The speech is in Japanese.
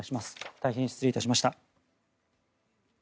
大変失礼いたしました。